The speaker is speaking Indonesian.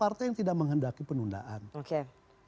partai yang tidak menghendaki penundaan oke